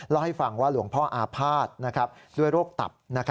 แล้วให้ฟังว่าหลวงพ่ออาภาษณ์ด้วยโรคตับ